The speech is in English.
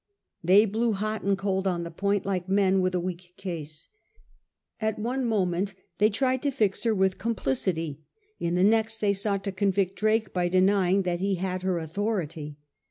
They blew hot and cold on the point, like men with a weak case. At one moment they tried to fix her with complicity, in the next they sought to convict Drake by denying that he had her authority.